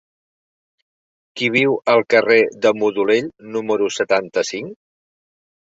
Qui viu al carrer de Modolell número setanta-cinc?